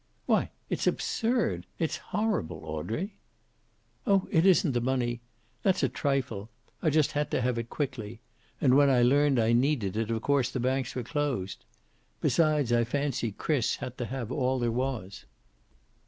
"Why, it's absurd! It's it's horrible, Audrey." "Oh, it isn't the money. That's a trifle. I just had to have it quickly. And when I learned I needed it of course the banks were closed. Besides, I fancy Chris had to have all there was."